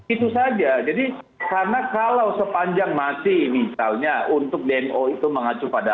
itu saja jadi karena kalau sepanjang masih misalnya untuk dmo itu mengacu pada